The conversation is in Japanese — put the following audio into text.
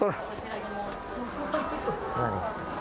何？